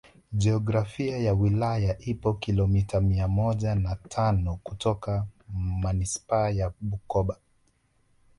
Jiografia ya wilaya ipo kilomita mia moja na tano kutoka Manispaa ya Bukoba